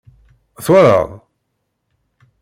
Twalaḍ!